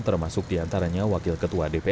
termasuk diantaranya wakil ketua dpr